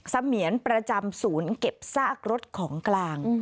เสมียนประจำศูนย์เก็บซากรถของกลาง